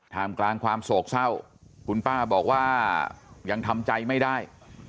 มกลางความโศกเศร้าคุณป้าบอกว่ายังทำใจไม่ได้